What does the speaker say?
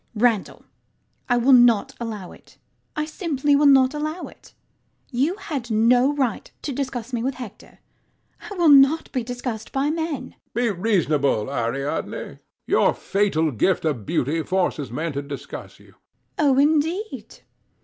Randall: I will not allow it. I simply will not allow it. You had no right to discuss me with Hector. I will not be discussed by men. HECTOR. Be reasonable, Ariadne. Your fatal gift of beauty forces men to discuss you. LADY UTTERWORD. Oh indeed!